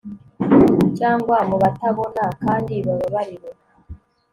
Cyangwa mubatabona kandi bababariwe